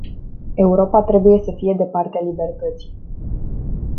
Europa trebuie să fie de partea libertății.